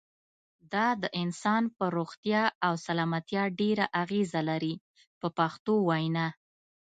دا د انسان پر روغتیا او سلامتیا ډېره اغیزه لري په پښتو وینا.